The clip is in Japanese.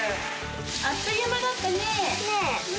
あっという間だったね。ねぇ。